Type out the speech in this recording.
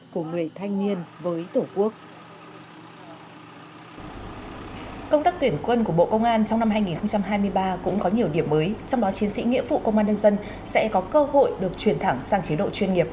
công tác tuyển quân của bộ công an trong năm hai nghìn hai mươi ba cũng có nhiều điểm mới trong đó chiến sĩ nghĩa vụ công an nhân dân sẽ có cơ hội được chuyển thẳng sang chế độ chuyên nghiệp